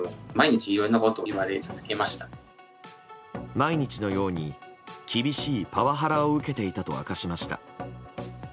毎日のように厳しいパワハラを受けていたと明かしました。